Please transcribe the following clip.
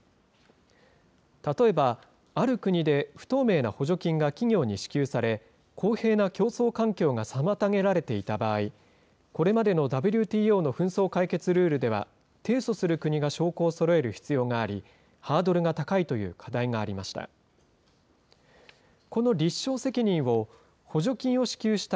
例えば、ある国で不透明な補助金が企業に支給され、公平な競争環境が妨げられていた場合、これまでのＷＴＯの紛争解決ルールでは、提訴する国が証拠をそろえる必要があり、ハードルが高いという課題がありました。